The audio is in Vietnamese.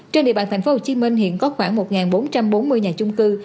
trên địa bàn tp hcm hiện có khoảng một bốn trăm bốn mươi nhà chung cư